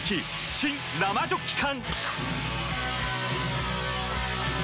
新・生ジョッキ缶！